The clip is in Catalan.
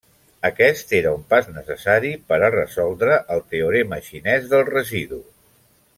Aquest era un pas necessari per a resoldre el teorema xinès del residu.